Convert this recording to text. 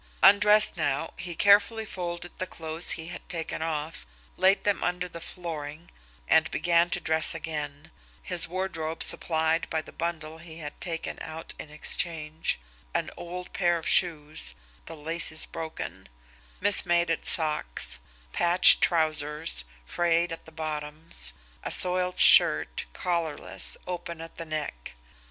Undressed now, he carefully folded the clothes he had taken off, laid them under the flooring, and began to dress again, his wardrobe supplied by the bundle he had taken out in exchange an old pair of shoes, the laces broken; mismated socks; patched trousers, frayed at the bottoms; a soiled shirt, collarless, open at the neck.